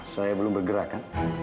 saya belum bergerak kan